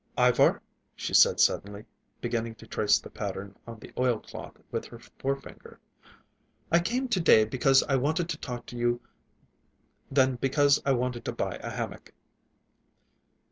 "Ivar," she said suddenly, beginning to trace the pattern on the oilcloth with her forefinger, "I came to day more because I wanted to talk to you than because I wanted to buy a hammock."